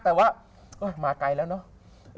แต่ว่าก็มาไกลแล้วเนอะ